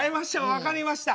わかりました。